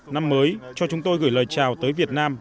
năm mới cho chúng tôi gửi lời chào tới việt nam